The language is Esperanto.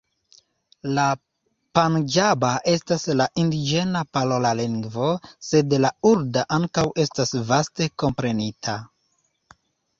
La panĝaba estas la indiĝena parola lingvo, sed la urdua ankaŭ estas vaste komprenita.